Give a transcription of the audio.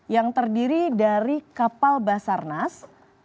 yang terdiri dari kapal basarnas